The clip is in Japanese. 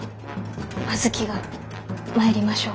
阿月が参りましょうか。